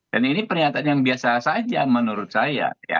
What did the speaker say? dan ini pernyataan yang biasa saja menurut saya